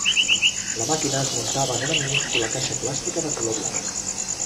La màquina es muntava en una minúscula caixa plàstica de color blanc.